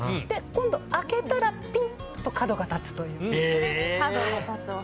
今度、開けたらピンと角が立つという。